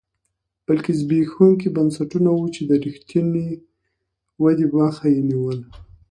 بلکې زبېښونکي بنسټونه وو چې د رښتینې ودې مخه یې نیوله